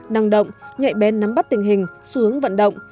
năng động nhạy bén nắm bắt tình hình xu hướng vận động